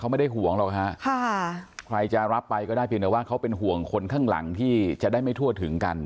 ไม่ได้ห่วงหรอกฮะค่ะใครจะรับไปก็ได้เพียงแต่ว่าเขาเป็นห่วงคนข้างหลังที่จะได้ไม่ทั่วถึงกัน